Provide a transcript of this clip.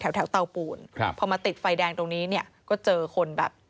แถวเตาปูนครับพอมาติดไฟแดงตรงนี้เนี่ยก็เจอคนแบบ